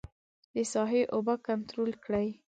د ساحې اوبه کنترول کړي.